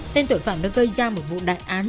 tên tội phạm đã gây ra một vụ đại án